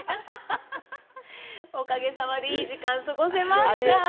おかげさまでいい時間過ごせました